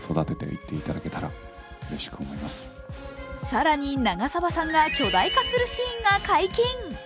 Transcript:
更に長澤さんが巨大化するシーンが解禁。